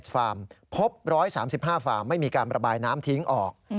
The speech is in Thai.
ฟาร์มพบ๑๓๕ฟาร์มไม่มีการระบายน้ำทิ้งออก